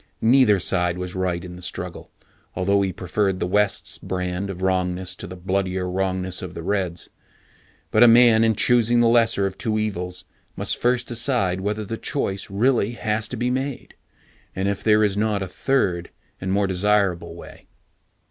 Neither side was right in the struggle, although he preferred the West's brand of wrongness to the bloodier wrongness of the Reds. But a man in choosing the lesser of two evils must first decide whether the choice really has to be made, and if there is not a third and more desirable way.